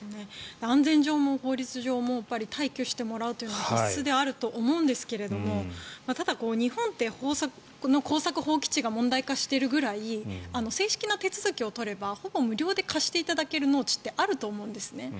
安全上も法律上も退去してもらうというのが必須であると思うんですがただ、日本って耕作放棄地が問題化しているぐらい正式な手続きを取ればほぼ無料で貸していただける農地ってあると思うんですね。